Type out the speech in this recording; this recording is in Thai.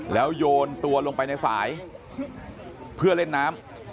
แล้วโยนตัวลงไปในฝ่ายเพื่อเล่นน้ำ